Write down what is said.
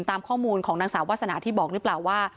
ตามข้อมูลของนางสาววาสนาที่บอกหรือเปล่าว่า